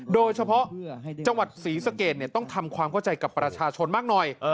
โดยเฉพาะจังหวัดศรีสะเกดต้องทำความเข้าใจกับประชาชนมากหน่อย